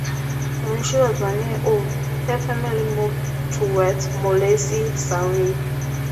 When she was one year old, her family moved to West Molesey, Surrey.